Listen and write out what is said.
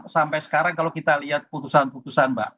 sampai sekarang kalau kita lihat putusan putusan mbak